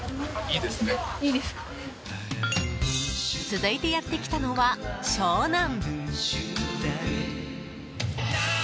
続いてやってきたのは湘南。